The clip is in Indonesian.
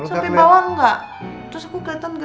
sopi bawang gak terus aku keliatan gendut